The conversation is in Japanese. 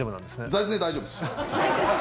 全然大丈夫です。